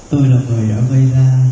tôi là người đã gây ra